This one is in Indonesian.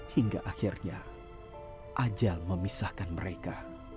hingga akhirnya ajal memisahkan mereka